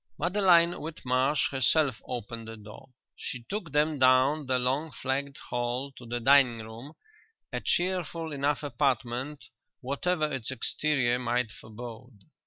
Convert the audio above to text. Madeline Whitmarsh herself opened the door. She took them down the long flagged hall to the dining room, a cheerful enough apartment whatever its exterior might forebode.